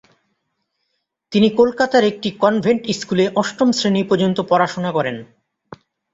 তিনি কলকাতার একটি কনভেন্ট স্কুলে অষ্টম শ্রেণী পর্যন্ত পড়াশোনা করেন।